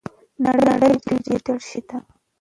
نړۍ ډیجیټل شوې ده.